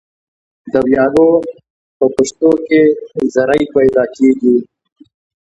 د ویالو په پشتو کې زرۍ پیدا کیږي.